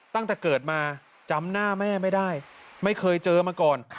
ตั้งแต่เกิดมาจำหน้าแม่ไม่ได้ไม่เคยเจอมาก่อน